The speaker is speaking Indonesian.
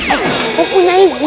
eh mempunyai jimat